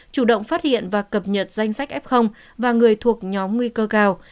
chủ động phát hiện và cập nhật danh sách f và người thuộc nhóm nguy cơ cao